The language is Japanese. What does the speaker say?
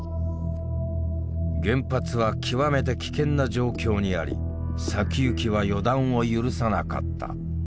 原発は極めて危険な状況にあり先行きは予断を許さなかった。